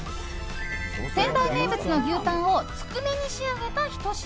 仙台名物の牛タンをつくねに仕上げたひと品。